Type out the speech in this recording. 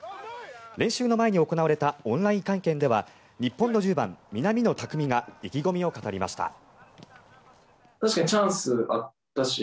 練習の前に行われたオンライン会見では日本の１０番、南野拓実が意気込みを語りました。